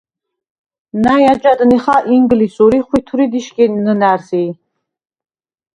ნა̈ჲ აჯაღ ნიხალ ინგლისურ ი ხვითვრიდ იშგენ ნჷნა̈რსი.